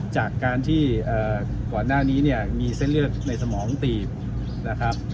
จากการที่ก่อนหน้านี้มีเส้นเลือกในสมองตีบ